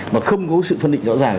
mà không có sự phân định rõ ràng